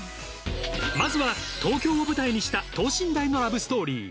まずは東京を舞台にした等身大のラブストーリー。